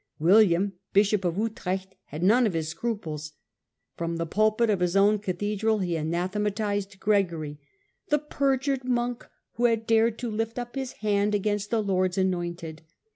William, bishop of Utrecht, had none of his scruples; from the pulpit of his own cathe dral he anathematised Gregory :^ The perjured monk who had dared to lift up his hand against the Lord's anointed.'